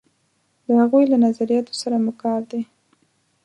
د هغوی له نظریاتو سره مو کار دی.